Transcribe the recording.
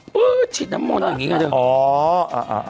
ปื๊ดฉีดน้ำมนต์อย่างนี้ค่ะเธอ